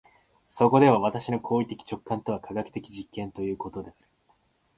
そこでは私の行為的直観とは科学的実験ということである。